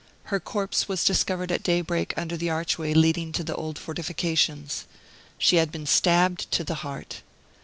Her corpse was discovered at daybreak under the archway leading to the old fortifications. She had been stabbed to the heart.